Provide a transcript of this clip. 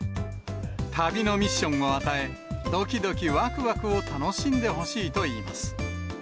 旅のミッションを与え、どきどきわくわくを楽しんでほしいといいます。